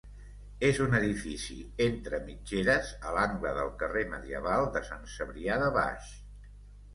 És un edifici entre mitgeres a l'angle del carrer medieval de Sant Cebrià de baix.